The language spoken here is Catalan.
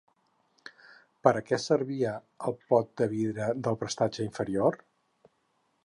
Per a què servia el pot de vidre del prestatge inferior?